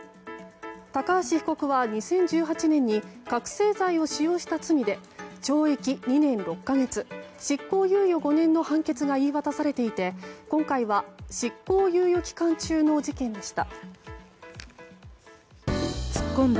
高橋被告は２０１８年に覚醒剤を使用した罪で懲役２年６か月執行猶予５年の判決が言い渡されていて、今回は執行猶予期間中の事件でした。